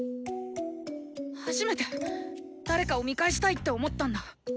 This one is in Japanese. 初めて誰かを見返したいって思ったんだ。